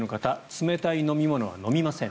冷たい飲み物は飲みません。